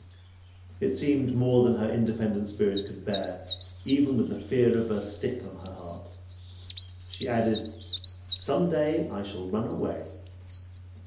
It seemed more than her independent spirit could bear even with the fear of the stick on her heart. She added, "Some day I shall ran away."